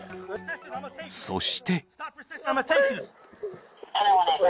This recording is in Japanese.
そして。